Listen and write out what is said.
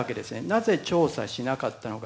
なぜ、調査しなかったのか。